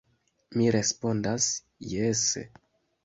Mi respondas jese.